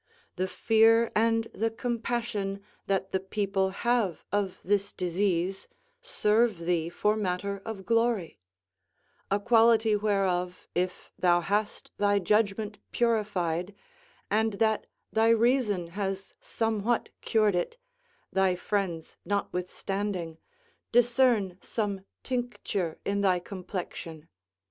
The fear and the compassion that the people have of this disease serve thee for matter of glory; a quality whereof if thou bast thy judgment purified, and that thy reason has somewhat cured it, thy friends notwithstanding, discern some tincture in thy complexion.